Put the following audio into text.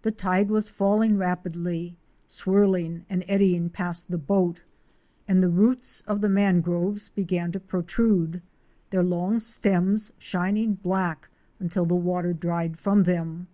The tide was falling rapidly, swirling and eddying past the boat, and the roots of the mangroves began to protrude, their long stems shining black until the water dried from them.